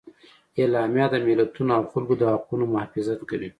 اعلامیه د ملتونو او خلکو د حقونو محافظت کوي.